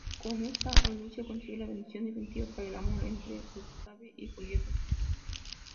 Con esta argucia consigue la bendición definitiva para el amor entre Gustave y Juliette.